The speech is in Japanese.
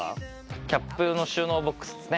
キャップの収納ボックスですね。